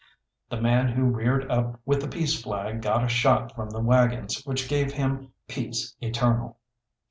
The man who reared up with the peace flag got a shot from the waggons which gave him peace eternal.